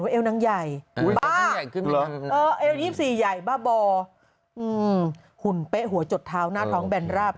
เอวนางใหญ่บ้านางเอว๒๔ใหญ่บ้าบอหุ่นเป๊ะหัวจดเท้าหน้าท้องแบนราบ